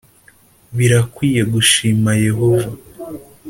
birakwiye gushima yehova